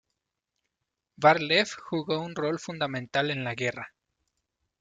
Bar-Lev jugó un rol fundamental en la guerra.